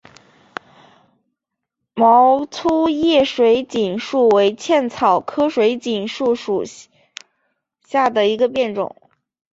毛粗叶水锦树为茜草科水锦树属下的一个变种。